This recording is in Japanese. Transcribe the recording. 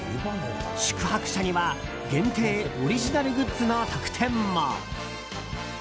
宿泊者には限定オリジナルグッズの特典も。